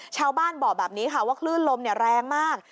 ชาวบ้านบอกแบบนี้ค่ะว่าคลื่นลมแรงมาก